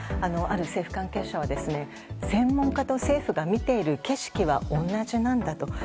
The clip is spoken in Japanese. ある政府関係者は専門家と政府が見ている景色は同じなんだと。